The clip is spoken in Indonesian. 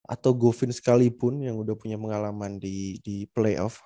atau govin sekalipun yang udah punya pengalaman di playoff